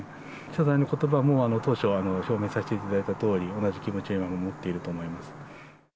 謝罪のことばも当初は表明させていただいたとおり、同じ気持ちを持っていると思います。